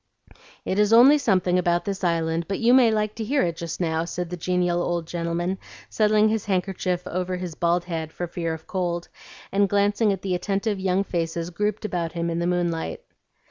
"It is only something about this island, but you may like to hear it just now," said the genial old gentleman, settling his handkerchief over his bald head for fear of cold, and glancing at the attentive young faces grouped about him in the moonlight.